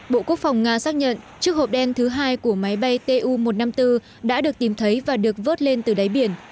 bộ quốc phòng nga xác nhận chiếc hộp đen thứ hai của máy bay tu một trăm năm mươi bốn đã được tìm thấy và được vớt lên từ đáy biển